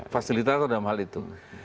fasilitator dalam hal itu